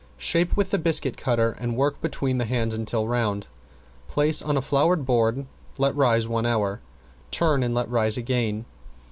Shape with the biscuit cutter and work between the hands until round. Place on the floured board, let rise one hour, turn and let rise again.